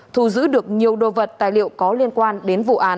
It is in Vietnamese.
thu giữ được nhiều đồ vật tài liệu có liên quan đến vụ án